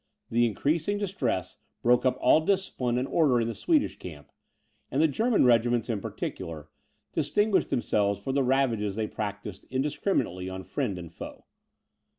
The increasing distress broke up all discipline and order in the Swedish camp; and the German regiments, in particular, distinguished themselves for the ravages they practised indiscriminately on friend and foe.